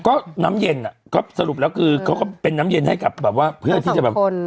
ก็น้ำเย็นสรุปแล้วคือเขาก็เป็นน้ำเย็นให้กับเพื่อนที่จะ